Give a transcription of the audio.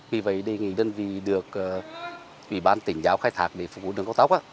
vì vậy đề nghị đơn vị được ủy ban tỉnh giáo khai thác để phục vụ đường cao tốc